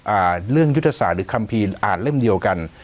อ่าเรื่องยุทธศาสตร์หรือคัมภีร์อาจเล่มเดียวกัน